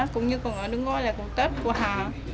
cũng như còn ở đức ngoi là cũng tết của hà